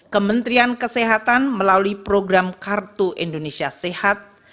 kementerian kesehatan melalui program kartu indonesia sehat